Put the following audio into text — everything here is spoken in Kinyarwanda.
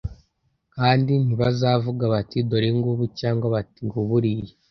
kandi ntibazavuga bati : Dore ngubu cyangwa bati : nguburiya,